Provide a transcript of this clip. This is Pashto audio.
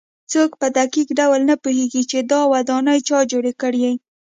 څوک په دقیق ډول نه پوهېږي چې دا ودانۍ چا جوړې کړې.